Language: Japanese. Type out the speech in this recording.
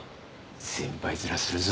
先輩面するぞ。